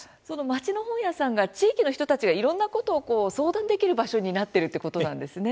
町の本屋さんが地域の人たちがいろんなことを相談できる場所になっているっていうことなんですね。